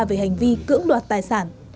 về hành vi cưỡng đoạt tài sản